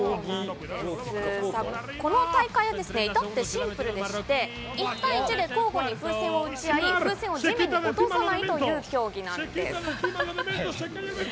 この大会は、いたってシンプルでして、１対１で交互に風船を押し合い、風船を地面に落とさないという競技なんです。